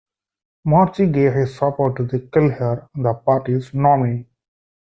Marty gave his support to Kelliher, the party's nominee.